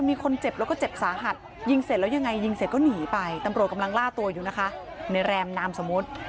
มีคนเจ็บแล้วก็เจ็บสาหัสยิงเสร็จแล้วยังไงยิงเสร็จก็หนีไปตำรวจกำลังล่าตัวอยู่นะคะในแรมนามสมมุติ